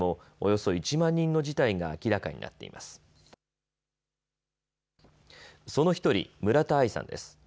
その１人、村田愛さんです。